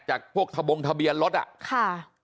จากพวกทะบงทะเบียนรถอ่ะค่ะ